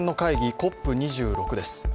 ＣＯＰ２６です。